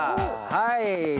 はい。